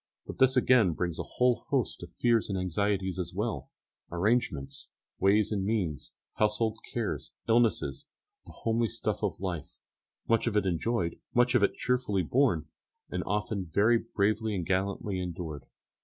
But this again brings a whole host of fears and anxieties as well arrangements, ways and means, household cares, illnesses, the homely stuff of life, much of it enjoyed, much of it cheerfully borne, and often very bravely and gallantly endured.